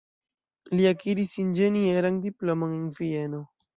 Li akiris inĝenieran diplomon en Vieno.